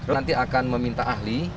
nanti akan meminta ahli